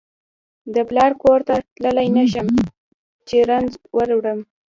د پلار کور ته تللای نشم چې رنځ وروړم